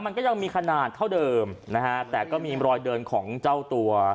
มันก็ยังมีขนาดเท่าเดิมนะฮะแต่ก็มีรอยเดินของเจ้าตัว